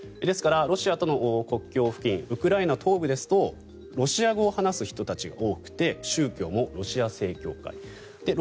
ですから、ロシアとの国境付近ウクライナ東部ですとロシア語を話す人たちが多くて宗教もロシア正教会。